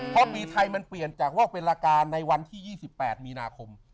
เพราะปีไทยมันเปลี่ยนจากโลกเป็นราการในวันที่๒๘มีนาคม